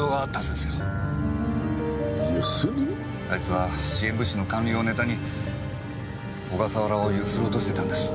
あいつは支援物資の還流をネタに小笠原を強請ろうとしてたんです。